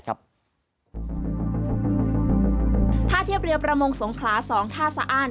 ภาพเทียบเรือกระมงสงขราสองท่าสะอ่าน